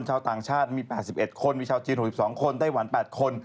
ชาวต่างชาติมี๘๑คนมีชาวจีน๖๒คนไต้หวัน๘คน